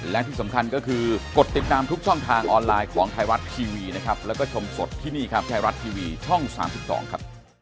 แล้วก็ชมสดที่นี่ครับแค่รัดทีวีช่อง๓๒ครับ